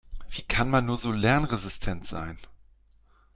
Wie kann man nur so lernresistent sein?